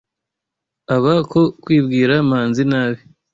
Aba ko kubwira Manzi nabi. .